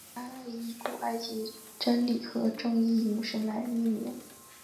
它以古埃及真理和正义女神来命名。